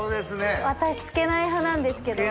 私付けない派なんですけど。